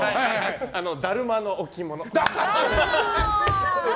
だるまの置き物。